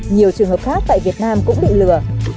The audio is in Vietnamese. nhiều trường hợp khác tại việt nam cũng bị lừa